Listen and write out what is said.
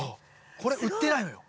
これ売ってないのよ。